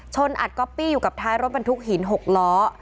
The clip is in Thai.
อัดก๊อปปี้อยู่กับท้ายรถบรรทุกหิน๖ล้อ